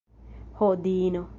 Ho, diino!